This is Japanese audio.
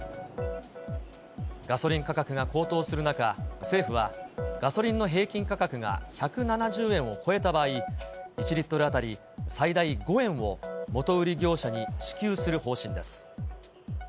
ガソリン価格が高騰する中、政府は、ガソリンの平均価格が１７０円を超えた場合、１リットル当たり最大５円を元売り業者に支給する方針です。